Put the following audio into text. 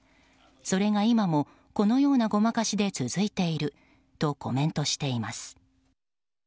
それが今もこのようなごまかしで続いているとコメントしています。